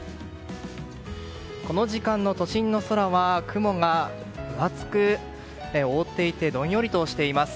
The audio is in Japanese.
この時間の都心の空は雲が分厚く覆っていてどんよりとしています。